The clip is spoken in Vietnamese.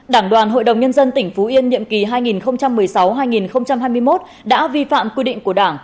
đảng đoàn hội đồng nhân dân tỉnh phú yên nhiệm kỳ hai nghìn một mươi sáu hai nghìn hai mươi một đã vi phạm quy định của đảng